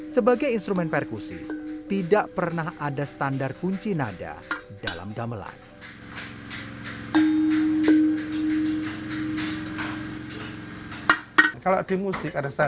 sebagai instrumen perkusi tidak pernah ada standar kunci nada